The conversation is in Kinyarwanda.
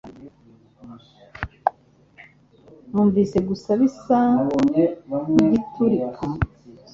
Numvise gusa ibisa nkigiturika.